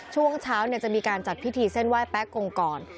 ช่วงเช้าจะมีการจัดพิธีเส้นไหว้แป๊กกงก่อน